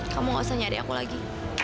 kamu gak usah nyari aku lagi